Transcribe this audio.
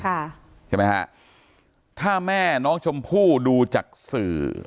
ใช่ไหมฮะถ้าแม่น้องชมพู่ดูจากสื่อ